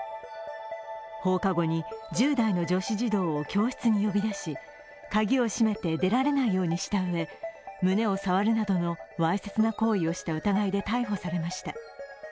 放課後に１０代の女子児童を教室に呼び出し、鍵を閉めて出られないようにしたうえ胸を触るなどのわいせつな行為をした疑いで逮捕されました。